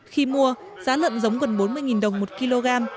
khi mua giá lợn giống gần bốn mươi đồng một kg